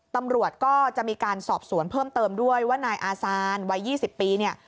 ตำรวจก็จะมีการสอบสวนเพิ่มเติมด้วยว่านายอาซานวัย๒๐ปีเนี่ย